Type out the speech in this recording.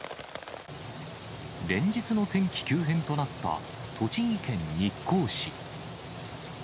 連日の天気急変となった栃木県日光市。